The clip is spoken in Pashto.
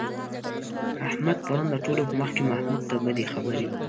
احمد پرون د ټولو په مخ کې محمود ته بدې خبرې وکړې.